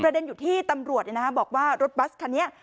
ทราบดนอยู่ที่ตำรวจนะฮะบอกว่ารถบัสค่ะเนี้ย